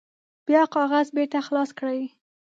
بیا کاغذ بیرته خلاص کړئ.